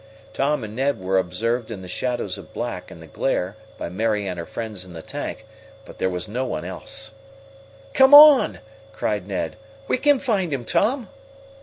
Tom and Ned were observed shadows of black in the glare by Mary and her friends in the tank, but there was no one else. "Come on!" cried Ned. "We can find him, Tom!"